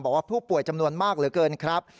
บอกว่าผู้ป่วยจำนวนมากเหลือเกินครับ